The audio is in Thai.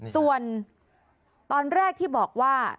ส่วนตอนแรกที่บอกว่า